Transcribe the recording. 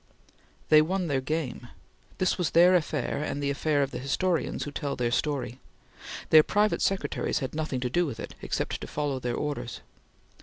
They won their game; this was their affair and the affair of the historians who tell their story; their private secretaries had nothing to do with it except to follow their orders.